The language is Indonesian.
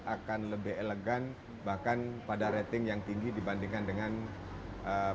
akan lebih elegan bahkan pada rating yang tinggi dibandingkan dengan produk